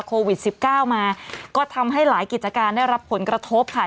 โควิด๑๙มาก็ทำให้หลายกิจการได้รับผลกระทบค่ะ